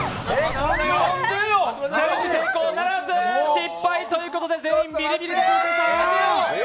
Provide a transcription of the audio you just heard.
失敗ということで全員ビリビリ椅子です。